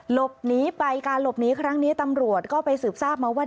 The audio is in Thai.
หลบหนีไปการหลบหนีครั้งนี้ตำรวจก็ไปสืบทราบมาว่า